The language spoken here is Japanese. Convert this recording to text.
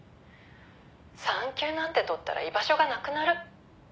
「産休なんて取ったら居場所がなくなる」